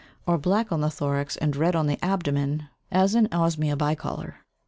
B, 16), or black on the thorax and red on the abdomen as in Osmia bicolor (pl.